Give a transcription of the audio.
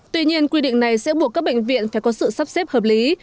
tuy nhiên quy định này sẽ buộc các bệnh viện phải có sự sắp xếp hợp lý